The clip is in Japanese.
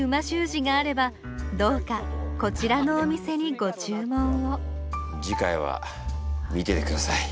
字があればどうかこちらのお店にご注文を次回は見ててください。